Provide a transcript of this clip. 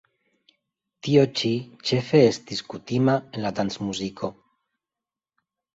Tio ĉi ĉefe estis kutima en la dancmuziko.